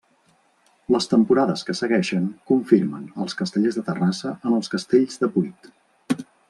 Les temporades que segueixen confirmen als Castellers de Terrassa en els castells de vuit.